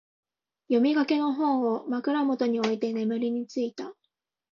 読みかけの本を、枕元に置いて眠りについた。